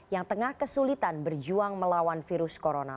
yang tengah kesulitan berjuang melawan virus corona